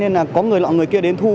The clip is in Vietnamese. nên là có người lọ người kia đến thu